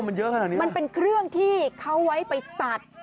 มันเป็นเครื่องที่เขาไว้ไปตัด